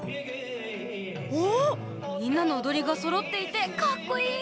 おおみんなのおどりがそろっていてかっこいい！